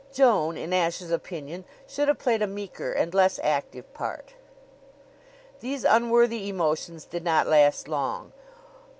Joan, in Ashe's opinion, should have played a meeker and less active part. These unworthy emotions did not last long.